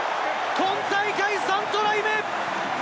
本大会、３トライ目！